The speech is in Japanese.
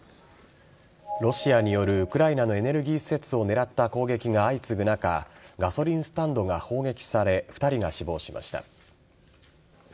ロシアによるウクライナのエネルギー施設を狙った攻撃が相次ぐ中ガソリンスタンドが砲撃され２人が死亡しました。